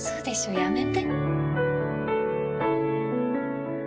やめて。